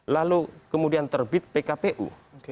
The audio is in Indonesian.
lalu kemudian terbit pkpu